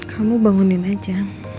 kamu bangunin aja